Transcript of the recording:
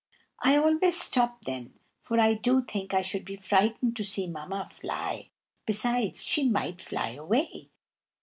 I always stop then, for I do think I should be frightened to see Mamma fly. Besides, she might fly away.